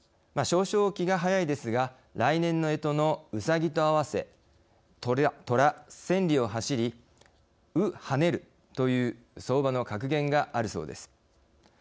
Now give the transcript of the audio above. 少々気が早いですが来年のえとのうさぎと合わせ「とら千里を走り、う跳ねる」という相場の格言があるそうです。